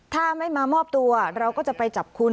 ถ้าไม่มามอบตัวเราก็จะไปจับคุณ